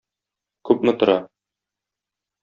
Күпме тора?